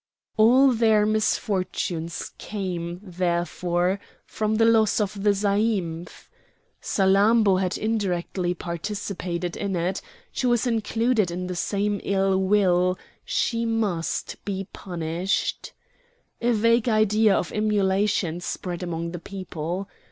All their misfortunes came, therefore, from the loss of the zaïmph. Salammbô had indirectly participated in it; she was included in the same ill will; she must be punished. A vague idea of immolation spread among the people.